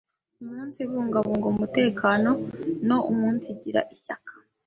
umunsibungabunga umutekano no umunsigira ishyaka.